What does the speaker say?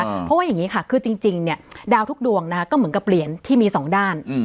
เพราะว่าอย่างนี้ค่ะคือจริงเนี่ยดาวทุกดวงนะคะก็เหมือนกับเปลี่ยนที่มีสองด้าน